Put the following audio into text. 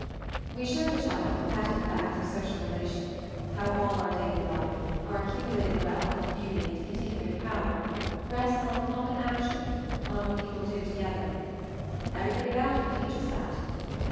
We show the child the patent facts of social relation, how all our daily life, our accumulated wealth and beauty and continuing power, rests on common action, on what people do together. Everything about him teaches that.